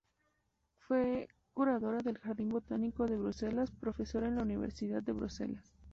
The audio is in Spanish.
Fue curadora del jardín Botánico de Bruselas, profesora en la Universidad de Bruselas.